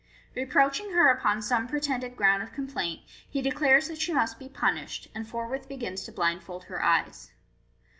Re proaching her upon some pretended ground of complaint, he declares that she must be punished, and forthwith begins to blindfold her eyes.